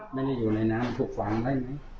ไม่ได้อยู่ในน้ำถูกฝังไว้